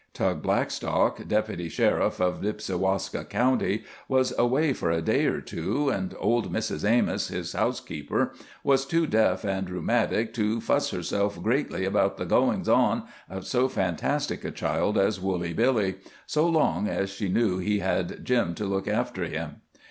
Tug Blackstock, Deputy Sheriff of Nipsiwaska County, was away for a day or two, and old Mrs. Amos, his housekeeper, was too deaf and rheumatic to "fuss herself" greatly about the "goings on" of so fantastic a child as Woolly Billy, so long as she knew he had Jim to look after him.